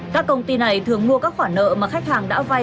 các công ty này thường mua các khoản nợ mà khách hàng đã vay